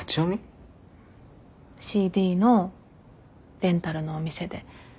ＣＤのレンタルのお店で。